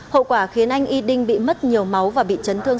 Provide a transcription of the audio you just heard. hậu quả khiến anh y đinh bị mất nhiều máu và bị chấn thương